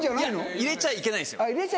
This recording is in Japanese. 入れちゃいけないんですよ。